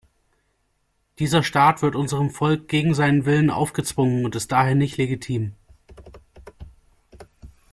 Dieser Staat wird unserem Volk gegen seinen Willen aufgezwungen und ist daher nicht legitim.